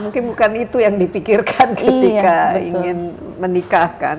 mungkin bukan itu yang dipikirkan ketika ingin menikah kan